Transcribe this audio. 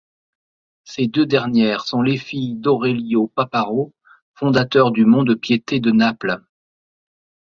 Ces deux dernières sont les filles d'Aurelio Paparo, fondateur du Mont-de-Piété de Naples.